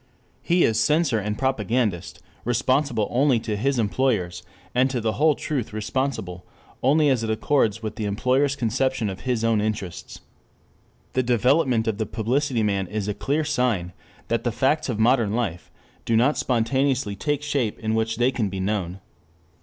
He is censor and propagandist, responsible only to his employers, and to the whole truth responsible only as it accords with the employers' conception of his own interests. The development of the publicity man is a clear sign that the facts of modern life do not spontaneously take a shape in which they can be known.